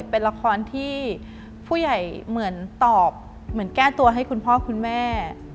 เป็นละครที่ผู้ใหญ่เหมือนตอบเหมือนแก้ตัวให้คุณพ่อคุณแม่